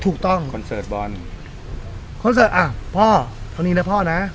คอนเสิร์ตบอลคอนเสิร์ตอ่ะพ่อเท่านี้นะพ่อนะ